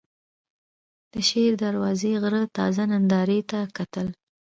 د شېر دروازې غره تازه نندارې ته کتل.